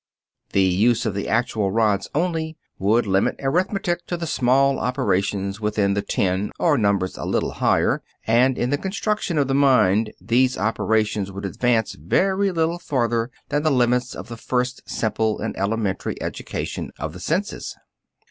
The use of the actual rods only would limit arithmetic to the small operations within the ten or numbers a little higher, and, in the construction of the mind, these operations would advance very little farther than the limits of the first simple and elementary education of the senses.